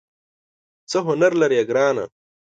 څه هنر لرې ګرانه ؟